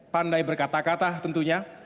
pandai berkata kata tentunya